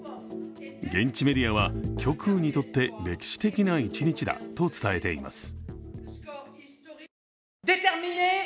現地メディアは、極右にとって歴史的な一日だと伝えています。